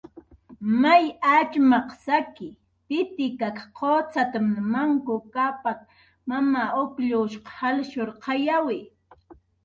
"May atxmaq saki, Titikak qucxat""mn Manku Kapak, Mama Uklluq salshurqayawi"